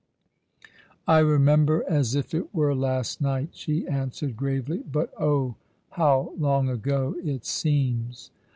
" "I remember as if it were last night," she answered gravely. " But oh, how long ago it seems